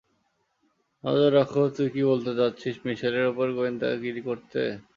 নজর রাখ তুই কি বলতে চাচ্ছিস, মিশেলের উপর গোয়েন্দাগিরি করতে?